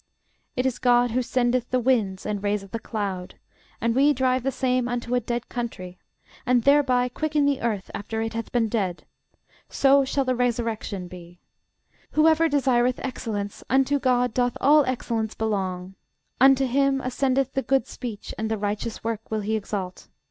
It is God who sendeth the winds, and raiseth a cloud: and we drive the same unto a dead country, and thereby quicken the earth after it hath been dead; so shall the resurrection be. Whoever desireth excellence; unto GOD doth all excellence belong: unto him ascendeth the good speech; and the righteous work will he exalt.